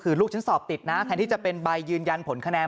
คือลูกฉันสอบติดนะแทนที่จะเป็นใบยืนยันผลคะแนน